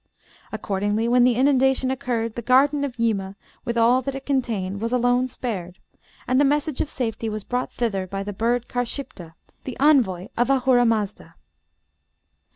Accordingly, when the inundation occurred, the garden of Yima, with all that it contained, was alone spared, and the message of safety was brought thither by the bird Karshipta, the envoy of Ahuramazda."